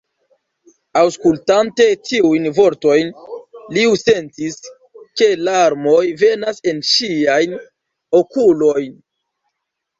Aŭskultante tiujn vortojn, Liu sentis, ke larmoj venas en ŝiajn okulojn.